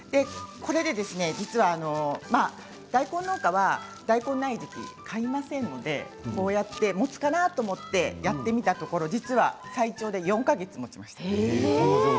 これで実は大根農家は大根がない時期買いませんのでこうやってもつかなと思ってやってみたところ最長で４か月もちました。